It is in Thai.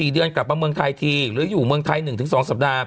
๔เดือนกลับมาเมืองไทยทีหรืออยู่เมืองไทย๑๒สัปดาห์